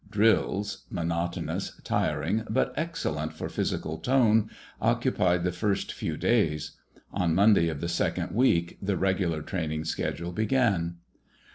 Drills, monotonous, tiring, but excellent for physical "tone," occupied the first few days. On Monday of the second week the regular training schedule began.